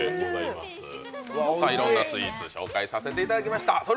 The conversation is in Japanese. いろんなスイーツ紹介させていただきました。